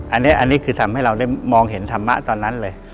อันนี้คือทำให้เราได้มองเห็นธรรมะตอนนั้นเลย